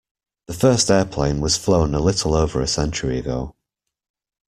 The first airplane was flown a little over a century ago.